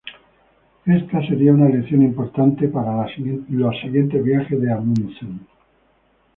Esta sería una lección importante para los siguientes viajes de Amundsen.